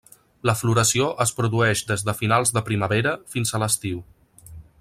La floració es produeix des de finals de primavera fins a l’estiu.